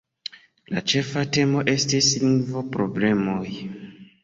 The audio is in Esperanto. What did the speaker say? La ĉefa temo estis lingvo-problemoj.